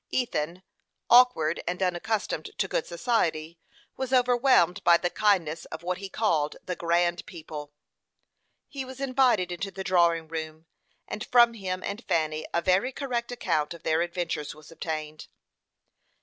Ethan, awkward and unaccustomed to good society, was overwhelmed by the kindness of what he called the "grand people." He was invited into the drawing room, and from him and Fanny a very correct account of their adventures was obtained.